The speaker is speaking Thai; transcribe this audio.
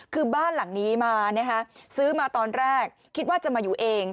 คือบ้านหลังนี้มานะคะซื้อมาตอนแรกคิดว่าจะมาอยู่เอง